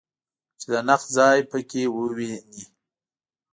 چې د نقد ځای په کې وویني.